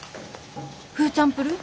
フーチャンプルー？